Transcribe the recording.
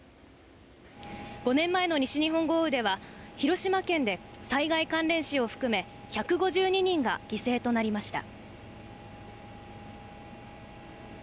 ５年前の西日本豪雨では、広島県で災害関連死を含め１５２人が犠牲となりました。